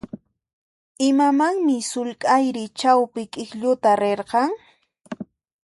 Imamanmi sullk'ayri chawpi k'iklluta rirqan?